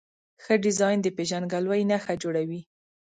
ښه ډیزاین د پېژندګلوۍ نښه جوړوي.